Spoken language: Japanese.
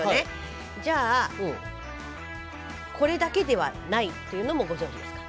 じゃあこれだけではないというのもご存じですか？